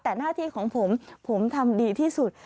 แต่หน้าที่ของผมผมทำดีที่สุด